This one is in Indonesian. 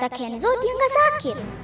kata kenzo dia gak sakit